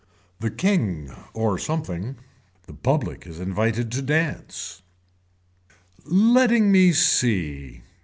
THE KING OR SOMETHING (THE PUBLIC IS INVITED TO DANCE) Letting me see.